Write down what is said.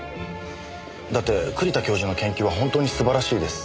だって栗田教授の研究は本当に素晴らしいです。